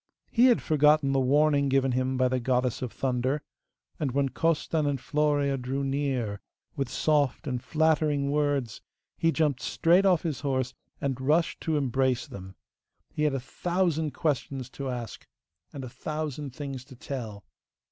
He had forgotten the warning given him by the Goddess of Thunder, and when Costan and Florea drew near with soft and flattering words he jumped straight off his horse, and rushed to embrace them. He had a thousand questions to ask, and a thousand things to tell.